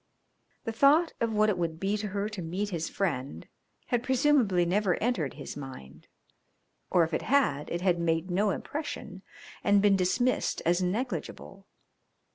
The thought of what it would be to her to meet his friend had presumably never entered his mind, or if it had it had made no impression and been dismissed as negligible.